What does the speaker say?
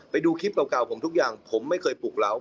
ไปดูคลิปเก่าผมทุกอย่างผมไม่เคยปลุกเรา